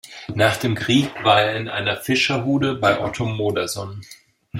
Nach dem Krieg war er in Fischerhude bei Otto Modersohn.